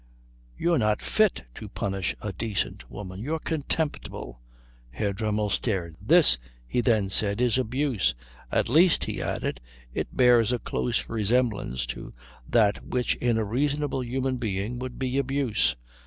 You're not fit to punish a decent woman. You're contemptible!" Herr Dremmel stared. "This," he then said, "is abuse. At least," he added, "it bears a close resemblance to that which in a reasonable human being would be abuse.